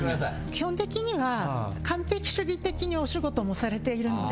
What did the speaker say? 基本的には完璧主義的にお仕事もされているので。